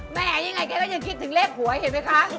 แม่ยังไงแกก็ยังคิดถึงเลขหัวเห็นไหมคะ